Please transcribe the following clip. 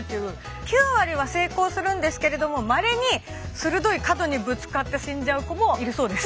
９割は成功するんですけれどもまれに鋭い角にぶつかって死んじゃう子もいるそうです。